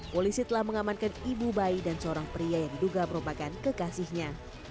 polisi telah mengamankan ibu bayi dan seorang pria yang diduga merupakan kekasihnya